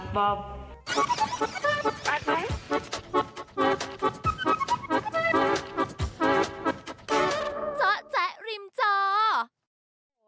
บ๊าบ